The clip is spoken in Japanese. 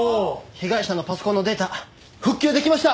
被害者のパソコンのデータ復旧できました。